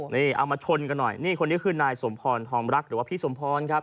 นี่เอามาชนกันหน่อยนี่คนนี้คือนายสมพรทองรักหรือว่าพี่สมพรครับ